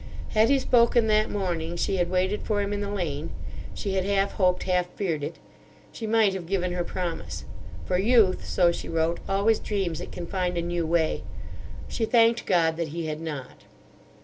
"Had he spoken that morning she had waited for him in the lane—she had half hoped, half feared it—she might have given her promise: 'For Youth,' so she wrote, 'always dreams it can find a new way.' She thanked God that he had not.